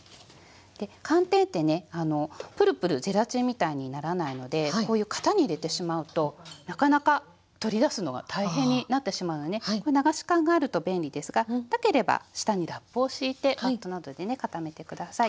で寒天ってねプルプルゼラチンみたいにならないのでこういう型に入れてしまうとなかなか取り出すのが大変になってしまうので流し函があると便利ですがなければ下にラップを敷いてバットなどでね固めて下さい。